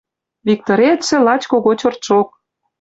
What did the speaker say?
Викторетшӹ лач кого чертшок.